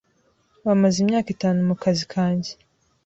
Bamaze imyaka itanu mukazi kanjye.